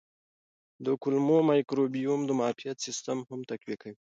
د کولمو مایکروبیوم د معافیت سیستم هم تقویه کوي.